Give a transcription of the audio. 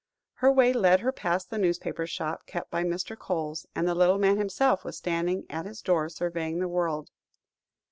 Her way led her past the newspaper shop kept by Mr. Coles, and the little man himself was standing at his door surveying the world.